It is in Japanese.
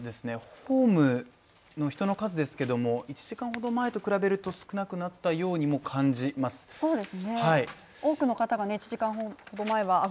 ホームの人の数ですけども、１時間ほど前と比べると少なくなったようにも感じます。